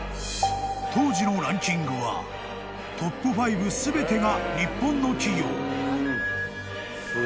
［当時のランキングはトップ５全てが日本の企業］